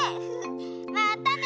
またね